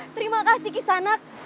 terima kasih kisanak